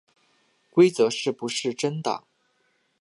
规则是不是真的